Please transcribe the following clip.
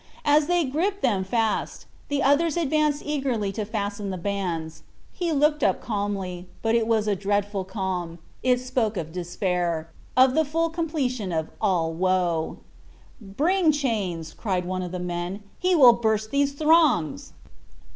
As they griped them fast, the others advanced eagerly to fasten the bands, he looked calmly up, but it was a dreadful calm; it spoke of despair, of the full completion of all woe. "Bring chains," cried one of the men, "he will burst these thongs."